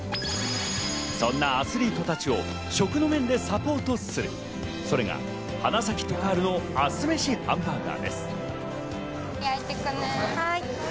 そんなアスリートたちを食の面でサポートする、それが花咲徳栄のアスメシ飯バーガーです。